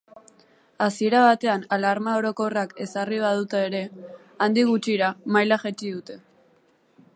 Hasiera batean alarma orokorra ezarri badute ere, handik gutxira maila jaitsi dute.